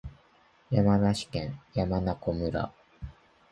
山梨県山中湖村